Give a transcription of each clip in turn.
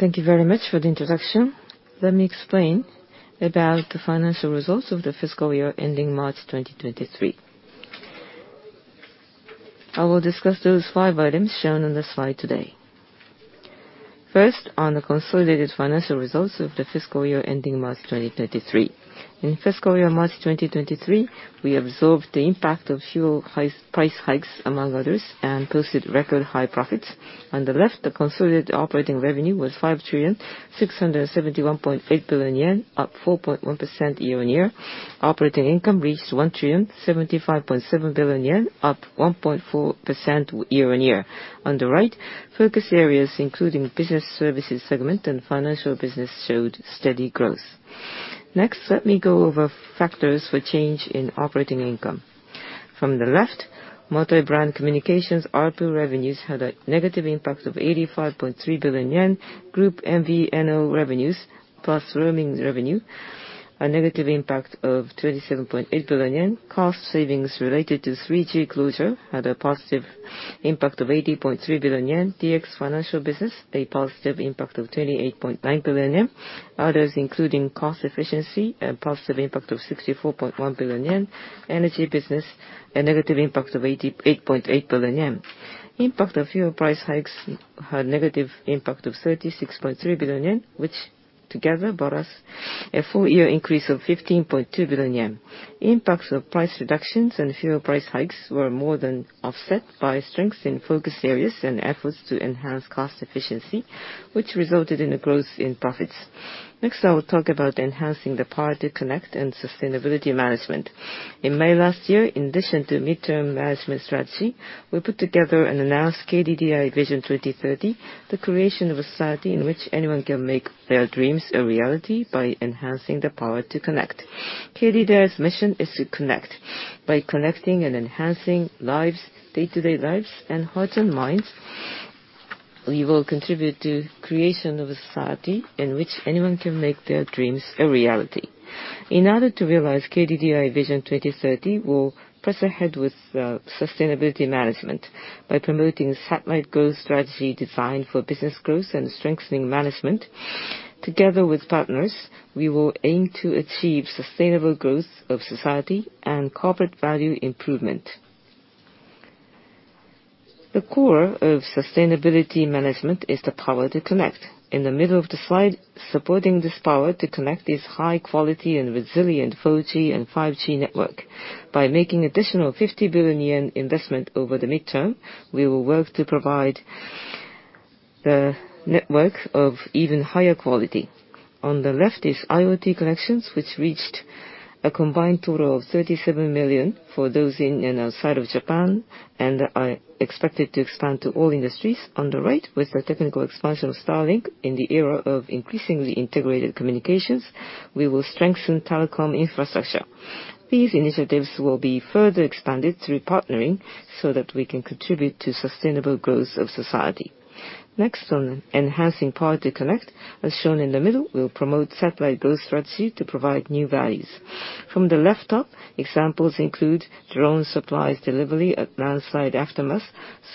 Thank you very much for the introduction. Let me explain about the financial results of the fiscal year ending March 2023. I will discuss those five items shown on the slide today. First, on the consolidated financial results of the fiscal year ending March 2023. In fiscal year March 2023, we absorbed the impact of fuel price hikes, among others, and posted record high profits. On the left, the consolidated operating revenue was 5,671.8 billion yen, up 4.1% year-on-year. Operating income reached 1,075.7 billion yen, up 1.4% year-on-year. On the right, focus areas including Business Services segment and financial business showed steady growth. Next, let me go over factors for change in operating income. From the left, multi-brand communications ARPU revenues had a negative impact of 85.3 billion yen. Group MVNO revenues, plus roaming revenue, a negative impact of 27.8 billion yen. Cost savings related to 3G closure had a positive impact of 80.3 billion yen. DX Financial business, a positive impact of 28.9 billion yen. Others, including cost efficiency, a positive impact of 64.1 billion yen. Energy business, a negative impact of 8.8 billion yen. Impact of fuel price hikes had a negative impact of 36.3 billion yen, which together brought us a full year increase of 15.2 billion yen. Impacts of price reductions and fuel price hikes were more than offset by strengths in focus areas and efforts to enhance cost efficiency, which resulted in a growth in profits. Next, I will talk about enhancing the power to connect and sustainability management. In May last year, in addition to Mid-Term Management Strategy, we put together and announced KDDI VISION 2030, the creation of a society in which anyone can make their dreams a reality by enhancing the power to connect. KDDI's mission is to connect. By connecting and enhancing lives, day-to-day lives, and hearts and minds, we will contribute to creation of a society in which anyone can make their dreams a reality. In order to realize KDDI VISION 2030, we'll press ahead with sustainability management by promoting Satellite Growth Strategy designed for business growth and strengthening management. Together with partners, we will aim to achieve sustainable growth of society and corporate value improvement. The core of sustainability management is the power to connect. In the middle of the slide, supporting this power to connect is high quality and resilient 4G and 5G network. By making additional 50 billion yen investment over the midterm, we will work to provide the network of even higher quality. On the left is IoT connections, which reached a combined total of 37 million for those in and outside of Japan and are expected to expand to all industries. On the right, with the technical expansion of Starlink in the era of increasingly integrated communications, we will strengthen telecom infrastructure. These initiatives will be further expanded through partnering so that we can contribute to sustainable growth of society. Next, on enhancing power to connect, as shown in the middle, we'll promote Satellite Growth Strategy to provide new values. From the left up, examples include drone supplies delivery at landslide aftermath,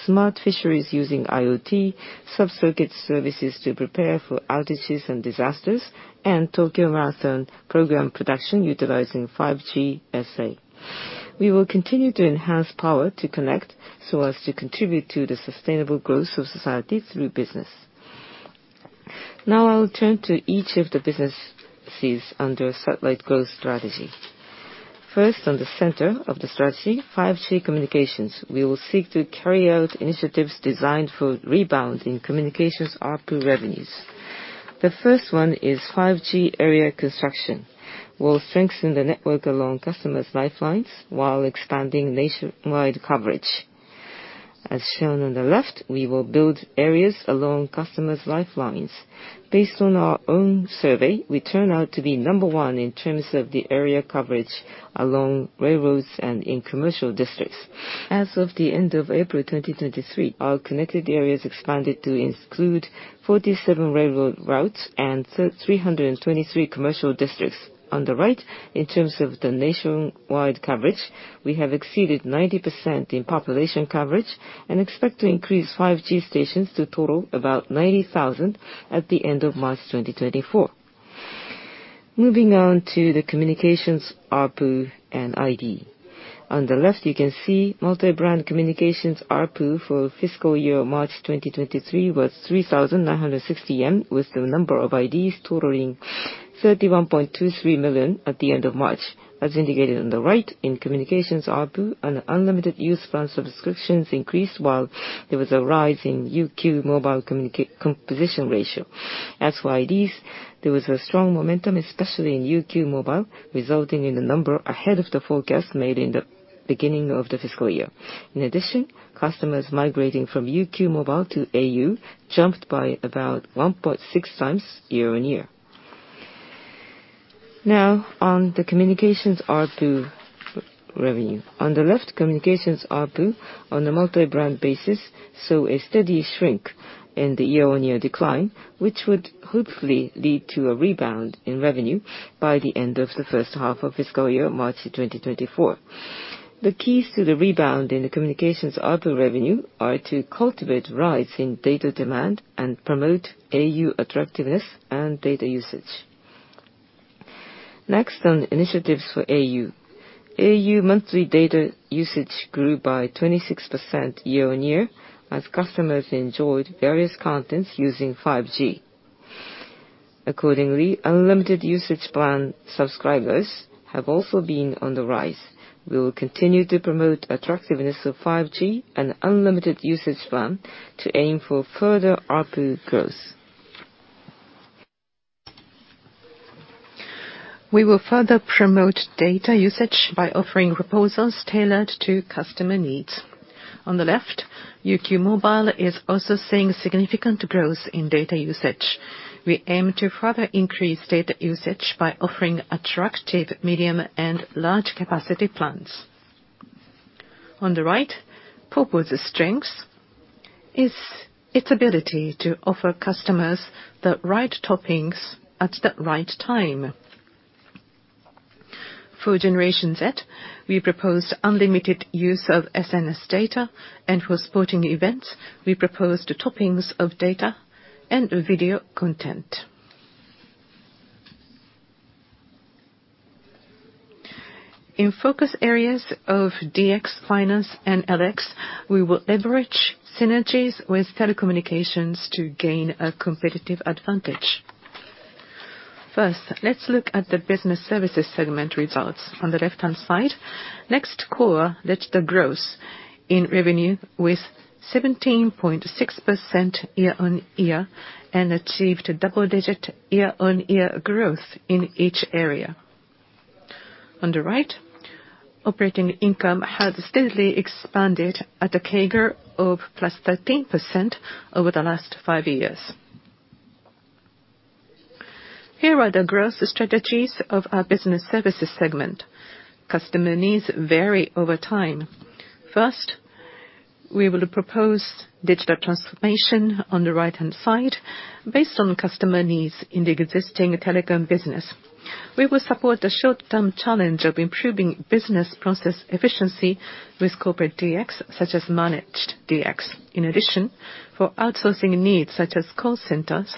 smart fisheries using IoT, sub-circuit services to prepare for outages and disasters, and Tokyo Marathon program production utilizing 5G SA. We will continue to enhance power to connect, so as to contribute to the sustainable growth of society through business. Now I will turn to each of the businesses under Satellite Growth Strategy. First, on the center of the strategy, 5G communications. We will seek to carry out initiatives designed for rebound in communications ARPU revenues. The first one is 5G area construction. We will strengthen the network along customers' lifelines while expanding nationwide coverage. As shown on the left, we will build areas along customers' lifelines. Based on our own survey, we turn out to be number 1 in terms of the area coverage along railroads and in commercial districts. As of the end of April 2023, our connected areas expanded to include 47 railroad routes and 323 commercial districts. On the right, in terms of the nationwide coverage, we have exceeded 90% in population coverage and expect to increase 5G stations to total about 90,000 at the end of March 2024. Moving on to the communications ARPU and ID. On the left, you can see multi-brand communications ARPU for fiscal year March 2023 was 3,960 yen, with the number of IDs totaling 31.23 million at the end of March. As indicated on the right, in communications ARPU, unlimited use plan subscriptions increased while there was a rise in UQ mobile composition ratio. As for IDs, there was a strong momentum, especially in UQ mobile, resulting in a number ahead of the forecast made in the beginning of the fiscal year. In addition, customers migrating from UQ mobile to au jumped by about 1.6 times year-on-year. Now on the communications ARPU revenue. On the left, communications ARPU on a multi-brand basis, saw a steady shrink in the year-on-year decline, which would hopefully lead to a rebound in revenue by the end of the first half of fiscal year March 2024. The keys to the rebound in the communications ARPU revenue are to cultivate rise in data demand and promote au attractiveness and data usage. Next, on initiatives for au. au monthly data usage grew by 26% year-on-year as customers enjoyed various contents using 5G. Accordingly, unlimited usage plan subscribers have also been on the rise. We will continue to promote attractiveness of 5G and unlimited usage plan to aim for further ARPU growth. We will further promote data usage by offering proposals tailored to customer needs. On the left, UQ mobile is also seeing significant growth in data usage. We aim to further increase data usage by offering attractive medium and large capacity plans. On the right, povo's strengths is its ability to offer customers the right Toppings at the right time. For Generation Z, we proposed unlimited use of SNS data, and for sporting events, we proposed the Toppings of data and video content. In focus areas of DX, Finance and LX, we will leverage synergies with telecommunications to gain a competitive advantage. First, let's look at the business services segment results on the left-hand side. NEXT Core reached the growth in revenue with 17.6% year-on-year and achieved a double-digit year-on-year growth in each area. On the right, operating income has steadily expanded at a CAGR of plus 13% over the last five years. Here are the growth strategies of our business services segment. Customer needs vary over time. First, we will propose digital transformation on the right-hand side based on customer needs in the existing telecom business. We will support the short-term challenge of improving business process efficiency with corporate DX, such as managed DX. In addition, for outsourcing needs such as call centers,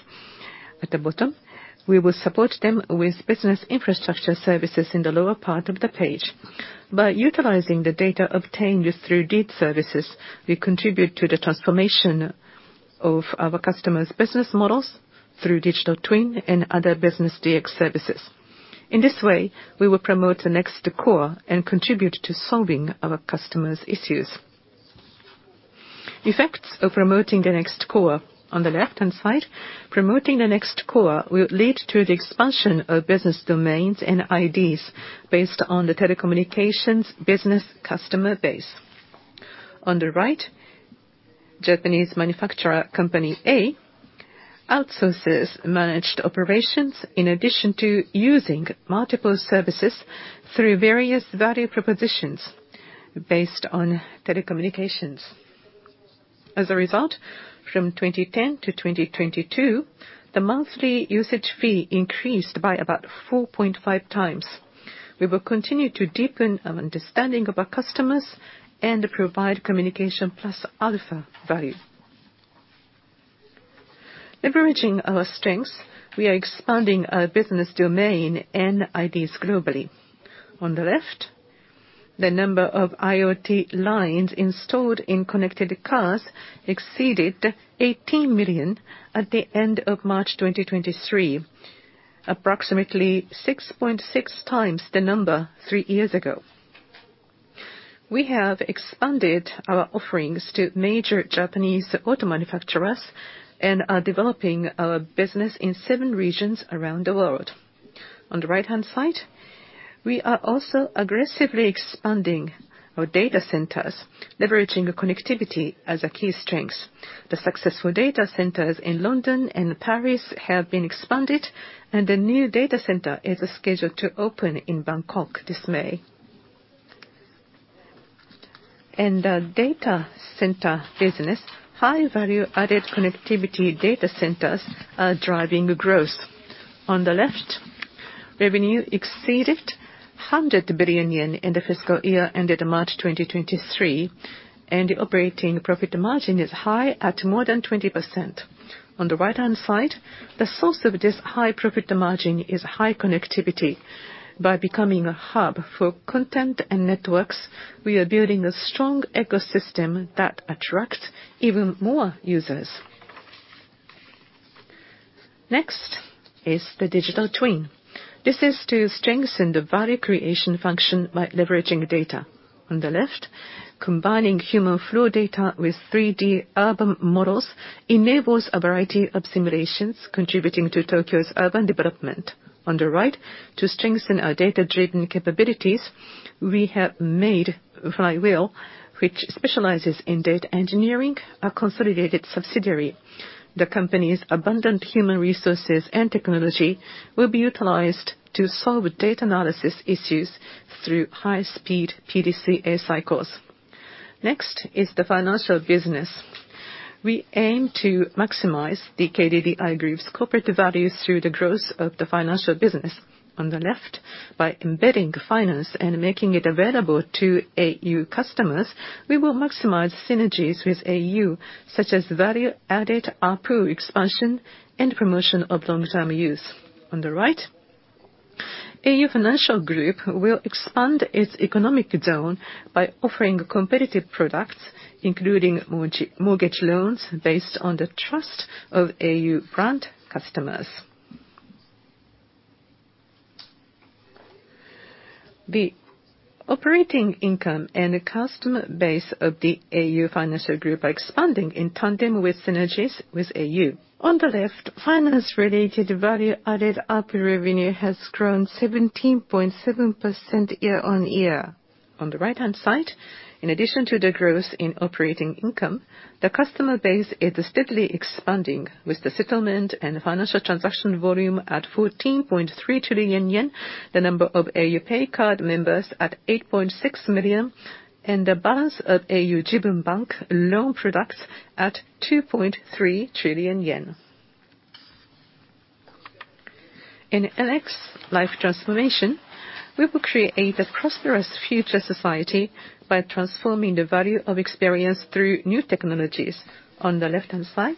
at the bottom, we will support them with business infrastructure services in the lower part of the page. By utilizing the data obtained through deep services, we contribute to the transformation of our customers' business models through digital twin and other business DX services. In this way, we will promote the NEXT Core and contribute to solving our customers' issues. Effects of promoting the NEXT Core. On the left-hand side, promoting the NEXT Core will lead to the expansion of business domains and IDs based on the telecom business customer base. On the right, Japanese manufacturer Company A outsources managed operations in addition to using multiple services through various value propositions based on telecommunications. As a result, from 2010 to 2022, the monthly usage fee increased by about 4.5 times. We will continue to deepen our understanding of our customers and provide communication plus alpha value. Leveraging our strengths, we are expanding our business domain and IDs globally. On the left, the number of IoT lines installed in connected cars exceeded 18 million at the end of March 2023, approximately 6.6 times the number three years ago. We have expanded our offerings to major Japanese auto manufacturers and are developing our business in seven regions around the world. On the right-hand side, we are also aggressively expanding our data centers, leveraging connectivity as a key strength. The successful data centers in London and Paris have been expanded, and the new data center is scheduled to open in Bangkok this May. In the data center business, high value added connectivity data centers are driving growth. On the left, revenue exceeded 100 billion yen in the fiscal year ended March 2023, and the operating profit margin is high at more than 20%. On the right-hand side, the source of this high profit margin is high connectivity. By becoming a hub for content and networks, we are building a strong ecosystem that attracts even more users. Next is the digital twin. This is to strengthen the value creation function by leveraging data. On the left, combining human flow data with 3D urban models enables a variety of simulations, contributing to Tokyo's urban development. On the right, to strengthen our data-driven capabilities, we have made FLYWHEEL, which specializes in data engineering, a consolidated subsidiary. The company's abundant human resources and technology will be utilized to solve data analysis issues through high-speed PDCA cycles. Next is the financial business. We aim to maximize the KDDI group's corporate values through the growth of the financial business. On the left, by embedding finance and making it available to au customers, we will maximize synergies with au, such as value-added ARPU expansion and promotion of long-term use. On the right, au Financial Group will expand its au Economic Zone by offering competitive products, including mortgage loans based on the trust of au brand customers. The operating income and customer base of the au Financial Group are expanding in tandem with synergies with au. On the left, finance-related value-added ARPU revenue has grown 17.7% year-on-year. On the right-hand side, in addition to the growth in operating income, the customer base is steadily expanding, with the settlement and financial transaction volume at 14.3 trillion yen, the number of au PAY card members at 8.6 million, and the balance of au Jibun Bank loan products at 2.3 trillion yen. In NX Life Transformation, we will create a prosperous future society by transforming the value of experience through new technologies. On the left-hand side,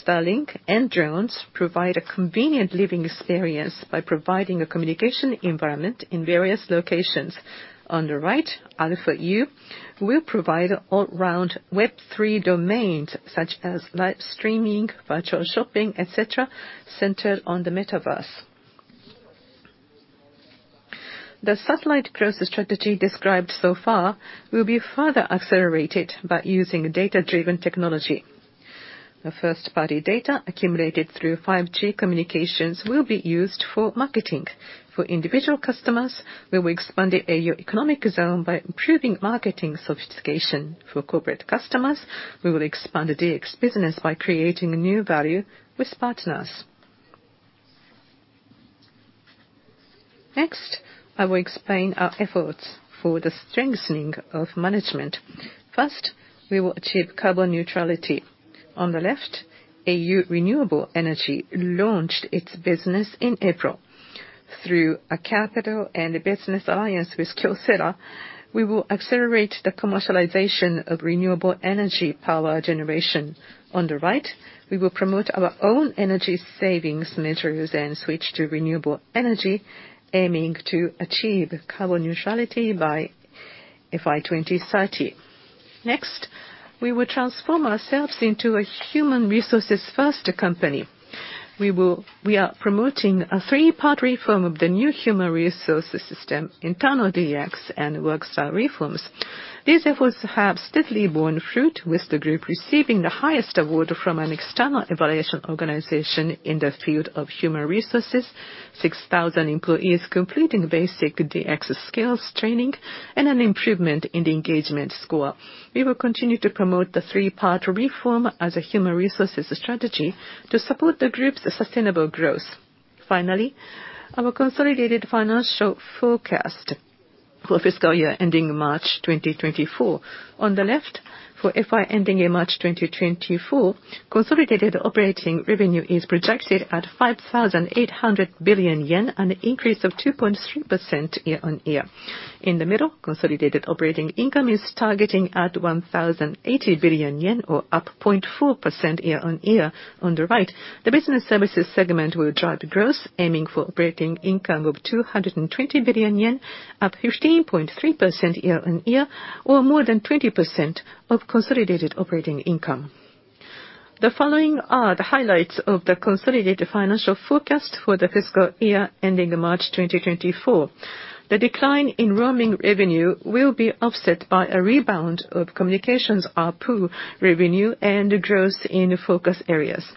Starlink and drones provide a convenient living experience by providing a communication environment in various locations. On the right, αU will provide all-round Web3 domains, such as live streaming, virtual shopping, et cetera, centered on the metaverse. The Satellite Growth Strategy described so far will be further accelerated by using data-driven technology. The first-party data accumulated through 5G communications will be used for marketing. For individual customers, we will expand the au Economic Zone by improving marketing sophistication. For corporate customers, we will expand the DX business by creating new value with partners. Next, I will explain our efforts for the strengthening of management. First, we will achieve carbon neutrality. On the left, au Renewable Energy launched its business in April. Through a capital and a business alliance with Kyocera, we will accelerate the commercialization of renewable energy power generation. On the right, we will promote our own energy savings measures and switch to renewable energy, aiming to achieve carbon neutrality by FY 2030. Next, we will transform ourselves into a human resources-first company. We are promoting a three-part reform of the new human resources system, internal DX, and work style reforms. These efforts have steadily borne fruit, with the group receiving the highest award from an external evaluation organization in the field of human resources, 6,000 employees completing basic DX skills training, and an improvement in the engagement score. We will continue to promote the three-part reform as a human resources strategy to support the group's sustainable growth. Finally, our consolidated financial forecast for the fiscal year ending March 2024. On the left, for FY 2024, consolidated operating revenue is projected at 5,800 billion yen, an increase of 2.3% year-on-year. In the middle, consolidated operating income is targeting at 1,080 billion yen, or up 0.4% year-on-year. On the right, the business services segment will drive growth, aiming for operating income of 220 billion yen, up 15.3% year-on-year, or more than 20% of consolidated operating income. The following are the highlights of the consolidated financial forecast for the fiscal year ending March 2024. The decline in roaming revenue will be offset by a rebound of communications ARPU revenue and growth in focus areas.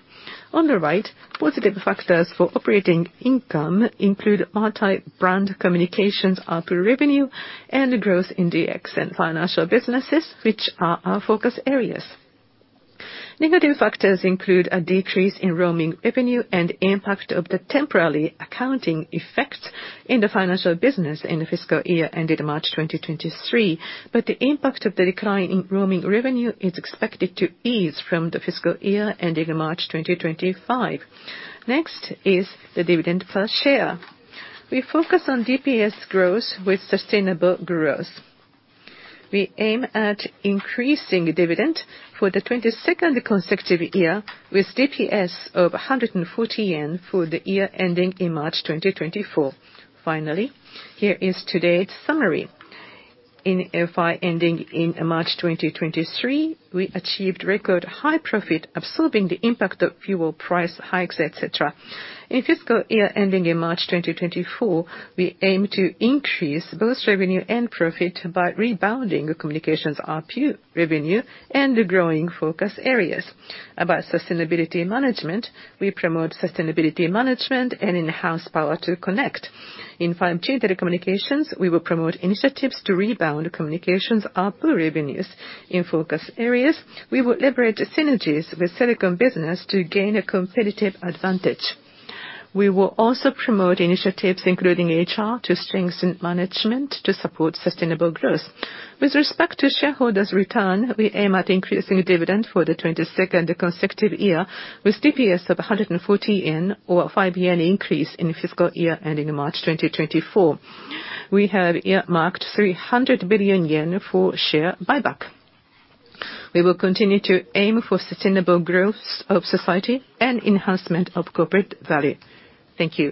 On the right, positive factors for operating income include multi-brand communications ARPU revenue and growth in DX and financial businesses, which are our focus areas. Negative factors include a decrease in roaming revenue and impact of the temporary accounting effects in the financial business in the fiscal year ending March 2023. The impact of the decline in roaming revenue is expected to ease from the fiscal year ending March 2025. Next is the dividend per share. We focus on DPS growth with sustainable growth. We aim at increasing dividend for the 22nd consecutive year, with DPS of 140 yen for the year ending March 2024. Finally, here is today's summary. In FY 2023, we achieved record-high profit, absorbing the impact of fuel price hikes, et cetera. In fiscal year ending in March 2024, we aim to increase both revenue and profit by rebounding communications ARPU revenue and growing focus areas. About sustainability management, we promote sustainability management and in-house power to connect. In 5G telecommunications, we will promote initiatives to rebound communications ARPU revenues. In focus areas, we will liberate synergies with silicon business to gain a competitive advantage. We will also promote initiatives, including HR, to strengthen management to support sustainable growth. With respect to shareholders' return, we aim at increasing dividend for the 22nd consecutive year, with DPS of 140, or a 5 increase in fiscal year ending March 2024. We have earmarked 300 billion yen for share buyback. We will continue to aim for sustainable growth of society and enhancement of corporate value. Thank you.